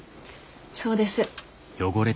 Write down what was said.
そうです。